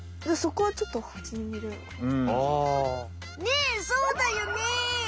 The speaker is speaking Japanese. そこはちょっとねえそうだよね。